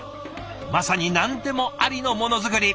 まさに何でもありのものづくり。